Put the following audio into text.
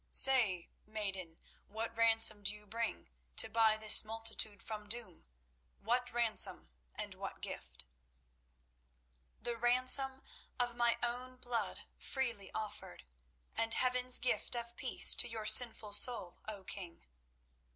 "Say, maiden, what ransom do you bring to buy this multitude from doom? What ransom, and what gift?" "The ransom of my own blood freely offered, and Heaven's gift of peace to your sinful soul, O King."